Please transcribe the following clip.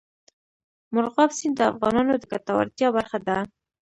مورغاب سیند د افغانانو د ګټورتیا برخه ده.